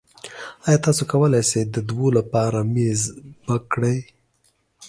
ایا تاسو کولی شئ د دوو لپاره میز بک کړئ؟